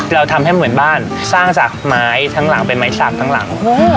เราทำให้เหมือนบ้านสร้างจากไม้ทั้งหลังเป็นไม้สาบทั้งหลัง